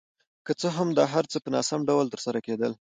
که څه هم دا هر څه په ناسم ډول ترسره کېدل.